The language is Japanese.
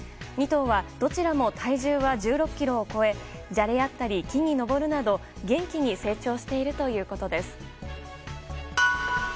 ２頭はどちらも体重は１６ｋｇを超えじゃれ合ったり、木に登るなど元気に成長しているということです。